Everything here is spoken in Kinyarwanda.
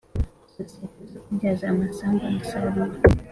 Sosiyete zo kubyaza amasambu umusaruro